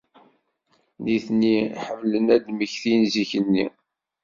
Nitni ḥemmlen ad d-mmektin zik-nni.